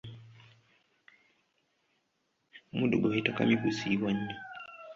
Omuddo gwe bayita kamyu gusiiwa nnyo.